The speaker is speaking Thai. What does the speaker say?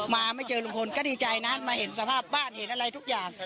มาไม่เจอลุงพลก็ดีใจนะมาเห็นสภาพบ้านเห็นอะไรทุกอย่าง